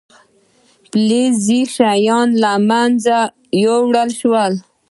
فلزي شیان له منځه یوړل شول.